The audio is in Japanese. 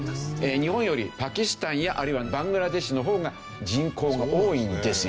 日本よりパキスタンやあるいはバングラデシュの方が人口が多いんですよ。